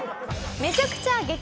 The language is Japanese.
めちゃくちゃ激